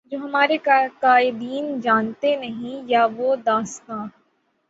جو ہمارے قائدین جانتے نہیں یا وہ دانستہ